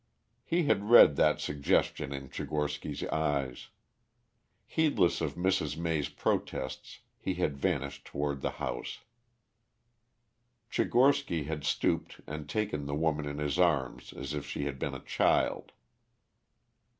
He had read that suggestion in Tchigorsky's eyes. Heedless of Mrs. May's protests, he had vanished toward the house. Tchigorsky had stooped and taken the woman in his arms as if she had been a child.